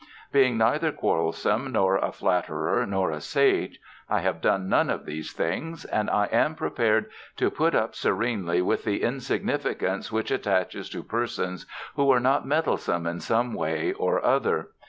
Being neither quarrelsome, nor a flatterer, nor a sage, I have done none of these things, and I am prepared to put up serenely with the insignificance which attaches to persons who are not meddlesome in some way or other.